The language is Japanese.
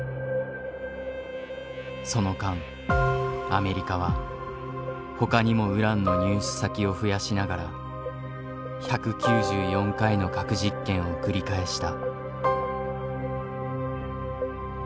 その間アメリカはほかにもウランの入手先を増やしながら１９４回の核実験を繰り返した。